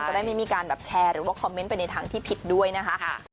ได้ไม่มีการแบบแชร์หรือว่าคอมเมนต์ไปในทางที่ผิดด้วยนะคะ